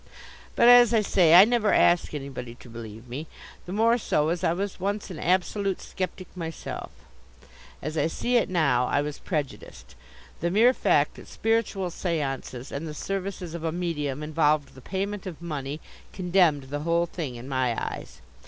But, as I say, I never ask anybody to believe me; the more so as I was once an absolute sceptic myself. As I see it now, I was prejudiced. The mere fact that spiritual seances and the services of a medium involved the payment of money condemned the whole thing in my eyes.